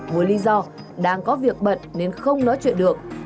với lý do đang có việc bận nên không nói chuyện được